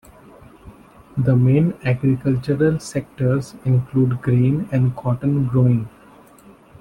The main agricultural sectors include grain and cotton growing.